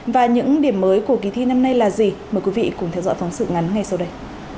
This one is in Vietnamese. và những điểm mới của kỳ thi năm nay là gì mời quý vị cùng theo dõi phóng sự ngắn ngay sau đây